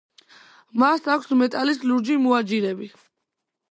მას აქვს მეტალის ლურჯი მოაჯირები.